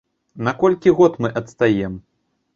На колькі год мы адстаем?